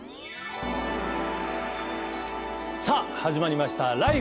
さあ始まりました！